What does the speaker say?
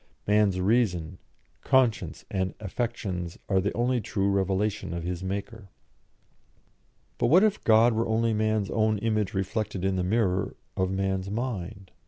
Man's reason, conscience, and affections are the only true revelation of his Maker." But what if God were only man's own image reflected in the mirror of man's mind?